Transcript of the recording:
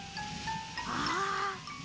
ああ。